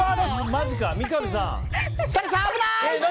マジか、三上さん。